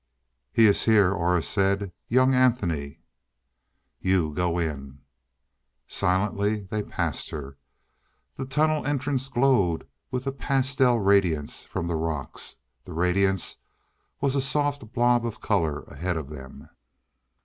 "He is here," Aura said. "Young Anthony." "You go in." Silently they passed her. The tunnel entrance glowed with the pastel radiance from the rocks. The radiance was a soft blob of color ahead of them.